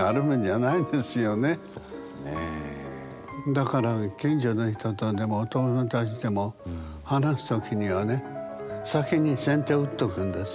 だから近所の人とでもお友達でも話すときにはね先に先手打っとくんですよ。